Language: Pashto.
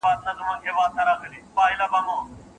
پر ميرمن باندي د خاوند پلار حرام دی.